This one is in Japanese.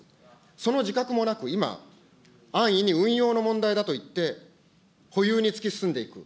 その自覚もなく、今、安易に運用の問題だといって、保有に突き進んでいく。